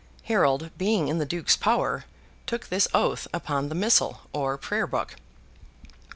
Harold, being in the Duke's power, took this oath upon the Missal, or Prayer book.